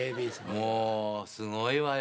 もうすごいわよ。